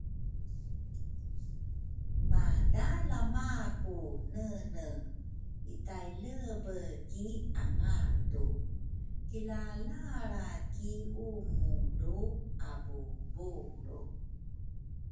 Madalama ku nene itailebe ki angatu kilalalra ki umu lu abuubulru